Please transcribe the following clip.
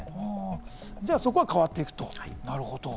そこは変わっていくと。